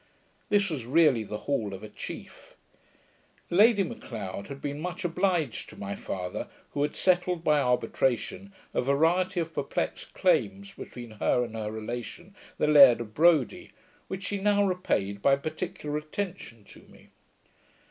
This was really the hall of a chief. Lady M'Leod had been much obliged to my father, who had settled by arbitration, a variety of perplexed claims between her and her relation, the Laird of Brodie, which she now repaid by particular attention to me.